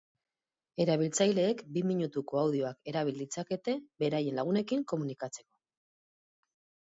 Erabiltzaileek bi minutuko audioak erabil ditzakete beraien lagunekin komunikatzeko.